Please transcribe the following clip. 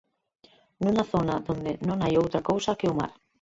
Nunha zona onde non hai outra cousa que o mar.